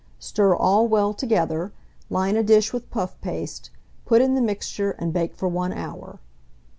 Stir all well together; line a dish with puff paste, put in the mixture, and bake for 1 hour.